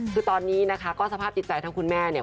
คือตอนนี้นะคะก็สภาพจิตใจทั้งคุณแม่เนี่ย